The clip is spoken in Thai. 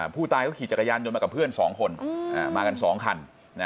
ผู้ตายเขาขี่จักรยานยนต์มากับเพื่อน๒คนมากัน๒คัน